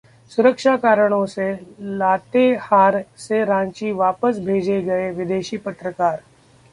सुरक्षा कारणों से लातेहार से रांची वापस भेजे गए विदेशी पत्रकार